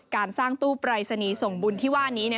การสร้างตู้ปรายศนีย์ส่งบุญที่ว่านี้